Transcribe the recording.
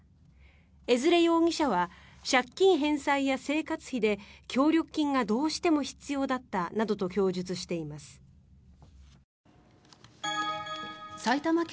江連容疑者は借金返済や生活費で協力金がどうしても必要だったなどと供述しています。